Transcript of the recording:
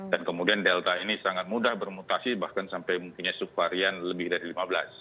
dan kemudian delta ini sangat mudah bermutasi bahkan sampai mungkinnya subvarian lebih dari lima belas